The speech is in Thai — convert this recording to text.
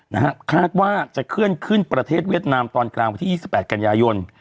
นะฮะคาดว่าจะเคลื่อนขึ้นประเทศเวียดนามตอนกลางวันที่ยี่สิบแปดกันยายน